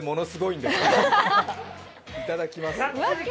いただきます。